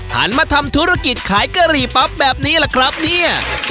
หันมาทำธุรกิจขายกะหรี่ปั๊บแบบนี้ล่ะครับเนี่ย